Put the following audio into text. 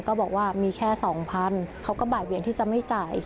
ก็บอกว่ามีแค่๒๐๐๐เขาก็บ่ายเวียงที่จะไม่จ่าย